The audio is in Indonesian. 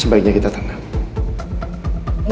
sebaiknya kita tenang